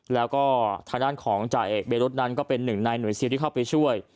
แล้วก็ทางด้านของจ่าเอกเบรุษนั้นก็เป็นหนึ่งในหน่วยซิลที่เข้าไปช่วย